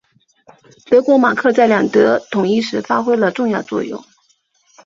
德国马克在两德统一时发挥了重要作用。